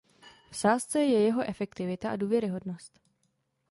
V sázce je jeho efektivita a důvěryhodnost.